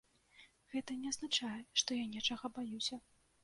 Гэта не азначае, што я нечага баюся.